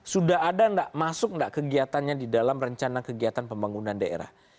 sudah ada nggak masuk nggak kegiatannya di dalam rencana kegiatan pembangunan daerah